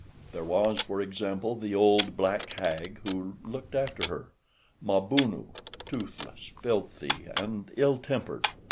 There was, for example, the old black hag who looked after her, Mabunu—toothless, filthy and ill tempered.